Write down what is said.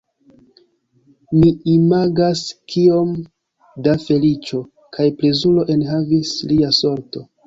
Mi imagas, kiom da feliĉo kaj plezuro enhavis lia sorto!